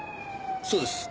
そうです。